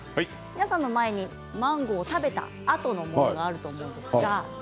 皆さんの前にマンゴーを食べたあとのものがあるんですが。